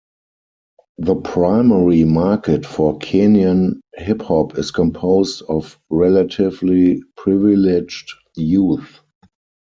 The primary market for Kenyan Hip Hop is composed of relatively privileged youth.